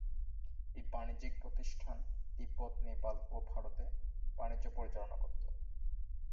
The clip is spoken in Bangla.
এই বাণিজ্যিক প্রতিষ্ঠান তিব্বত, নেপাল ও ভারতে বাণিজ্য পরিচালনা করত।